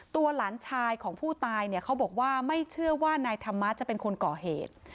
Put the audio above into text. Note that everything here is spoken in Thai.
หลานชายของผู้ตายเนี่ยเขาบอกว่าไม่เชื่อว่านายธรรมะจะเป็นคนก่อเหตุ